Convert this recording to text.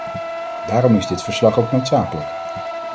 Daarom is dit verslag ook noodzakelijk.